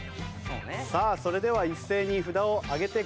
それでは一斉に札を上げてください。